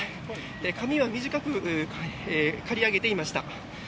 髪は短く刈り上げていました。